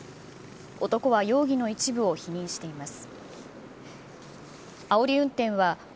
男は容疑の一部を否認しています。